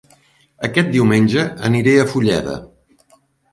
Aquest diumenge aniré a Fulleda